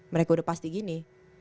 mereka udah pasti gini